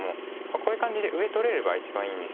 こういう感じで上取れれば一番いいんです。